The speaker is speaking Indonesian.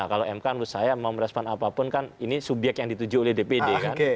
kalau mk menurut saya mau merespon apapun kan ini subyek yang dituju oleh dpd kan